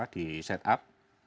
di set up